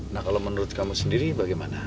nah kalau menurut kamu sendiri bagaimana